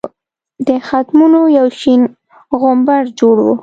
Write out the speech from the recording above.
د ختمونو یو شین غومبر جوړ وو.